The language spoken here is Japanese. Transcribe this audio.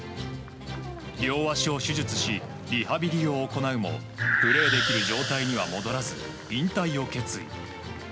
両足を手術し、リハビリを行うもプレーできる状態には戻らず引退を決意。